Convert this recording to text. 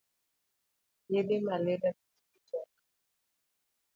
Yedhe malaria bech gi tek